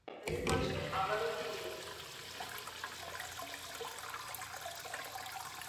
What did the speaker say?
এরপরের বছর আবারও খেলেন।